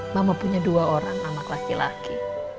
mama punya dua orang anak laki laki